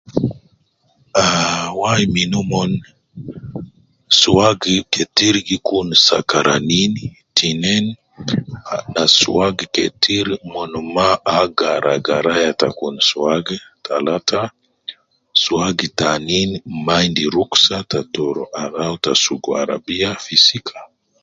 Aa wai min umon suwag ketir gi Kun sakaranin tinin suwag ketir umon maa agara garaya ta kun suwag, ta talata suwag taanin maa endi ruksa ta sugu arabiya fi sika